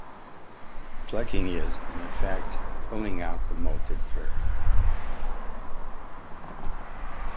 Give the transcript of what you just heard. Plucking is, in effect, pulling out the moulted fur.